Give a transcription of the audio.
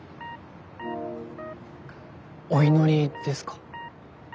お祈りですか？